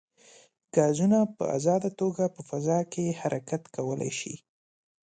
ګازونه په ازاده توګه په فضا کې حرکت کولی شي.